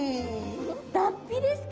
脱皮ですか。